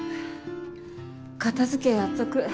片付けやっとく。